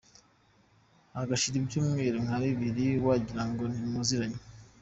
Hagashira ibyumweru nka bibiri wagira ngo ntimuziranye.